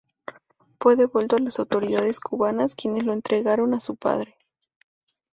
Fue devuelto a las autoridades cubanas, quienes lo entregaron a su padre.